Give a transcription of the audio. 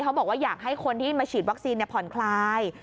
บอกว่าอยากให้คนที่มาฉีดวัคซีนผ่อนคลาย